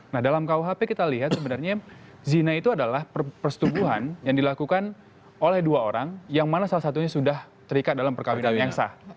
nah dalam kuhp kita lihat sebenarnya zina itu adalah persetubuhan yang dilakukan oleh dua orang yang mana salah satunya sudah terikat dalam perkawinan yang sah